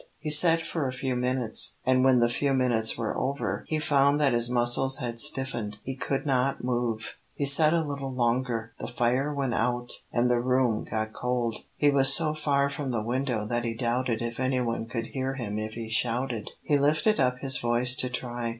He sat for a few minutes, and when the few minutes were over, he found that his muscles had stiffened. He could not move. He sat a little longer. The fire went out, and the room got cold. He was so far from the window that he doubted if any one could hear him if he shouted. He lifted up his voice to try.